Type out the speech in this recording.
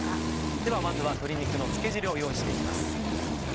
ではまずは鶏肉の漬け汁を用意して行きます。